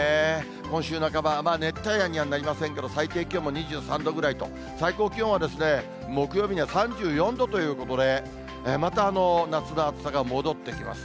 今週半ば、熱帯夜にはなりませんけど、最低気温も２３度ぐらいと、最高気温は木曜日には３４度ということで、また夏の暑さが戻ってきます。